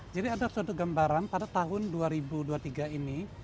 jadi ada suatu gambaran pada tahun dua ribu dua puluh tiga ini